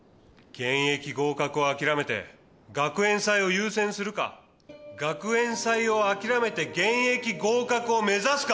現役合格をあきらめて学園祭を優先するか学園祭をあきらめて現役合格を目指すか。